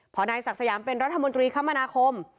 พอนายศักดิ์สยามเป็นรัฐมนตรีคมนาคม